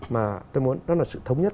mà tôi muốn đó là sự thống nhất